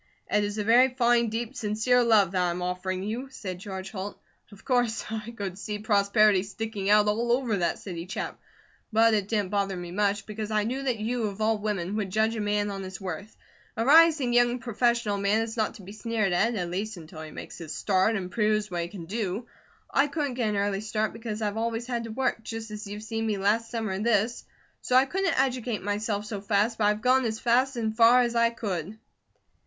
"It is a very fine, deep, sincere love that I am offering you," said George Holt. "Of course I could see prosperity sticking out all over that city chap, but it didn't bother me much, because I knew that you, of all women, would judge a man on his worth. A rising young professional man is not to be sneered at, at least until he makes his start and proves what he can do. I couldn't get an early start, because I've always had to work, just as you've seen me last summer and this, so I couldn't educate myself so fast, but I've gone as fast and far as I could."